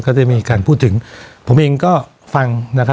ก็จะมีการพูดถึงผมเองก็ฟังนะครับ